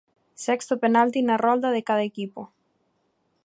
Sexto penalti na rolda de cada equipo.